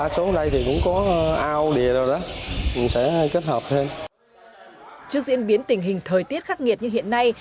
trước diễn biến tình hình thời tiết khắc nghiệt như hiện nay